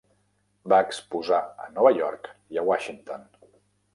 Va exposar a Nova York i a Washington.